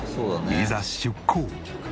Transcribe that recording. いざ出航。